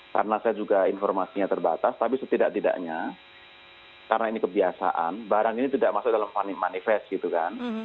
karena saya juga informasinya terbatas tapi setidak tidaknya karena ini kebiasaan barang ini tidak masuk dalam manifest gitu kan